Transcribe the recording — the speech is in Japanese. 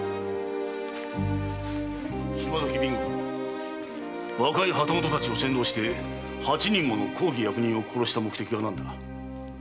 島崎備後若い旗本たちを扇動して八人もの公儀役人を殺した目的は何だ？